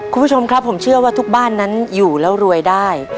คุณผู้ชมครับผมเชื่อว่าทุกบ้านนั้นอยู่แล้วรวยได้